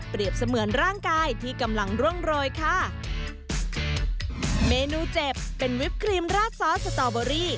เสมือนร่างกายที่กำลังร่วงโรยค่ะเมนูเจ็บเป็นวิปครีมราดซอสสตอเบอรี่